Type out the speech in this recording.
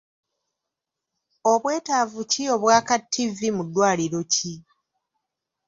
Obwetaavu ki obwa ka Ttivvi mu ddwaliro ki?